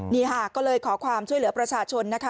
นี่ค่ะก็เลยขอความช่วยเหลือประชาชนนะคะ